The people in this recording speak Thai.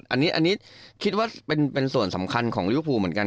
อันนี้คิดว่าเป็นส่วนสำคัญของยุภูเหมือนกัน